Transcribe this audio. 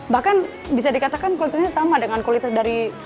bahkan bisa dikatakan kualitasnya sama dengan kualitas dari